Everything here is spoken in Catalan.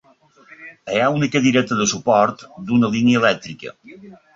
Hi ha una cadireta de suport d'una línia elèctrica.